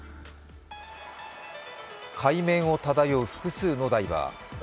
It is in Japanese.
海面を漂う複数のダイバー。